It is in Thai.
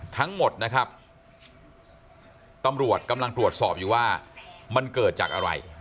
ทั้งหมดนะครับตำรวจกำลังตรวจสอบอยู่ว่ามันเกิดจากอะไร